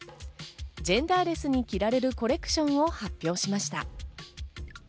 ジェンダーレスに着られるコレクションを発表しました。